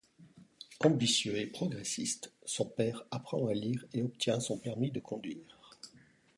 Ambitieux et progressiste, son père apprend à lire et obtient son permis de conduire.